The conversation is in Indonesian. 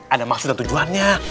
ada maksud dan tujuannya